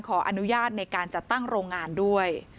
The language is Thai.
ขออนุญาตในการจัดตั้งโรงงานด้วย